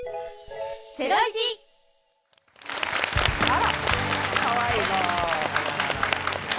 あら、かわいい。